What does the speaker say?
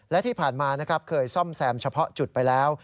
และที่ผ่านมานะครับเคยซ่อมแซมเฉพาะจุดไปแล้ว